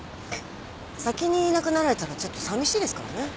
先にいなくなられたらちょっとさみしいですからね。